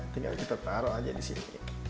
tinggal kita taruh aja disini